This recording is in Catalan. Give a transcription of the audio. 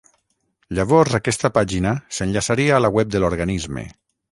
Llavors, aquesta pàgina s’enllaçaria a la web de l’organisme.